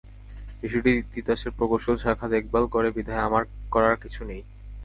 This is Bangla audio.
বিষয়টি তিতাসের প্রকৌশল শাখা দেখভাল করে বিধায় আমার করার কিছু নেই।